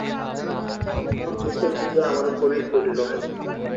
এখন দোষের বোঝা আমার উপরেই পড়ল।